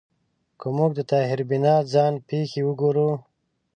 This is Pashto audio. که موږ د طاهر بینا ځان پېښې وګورو